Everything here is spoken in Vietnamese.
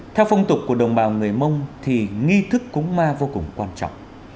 theo phong tục của đồng bào người mông thì nghi thức cúng ma vô cùng quan trọng